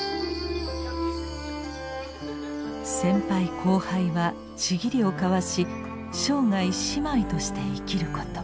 先輩後輩は契りを交わし生涯姉妹として生きること。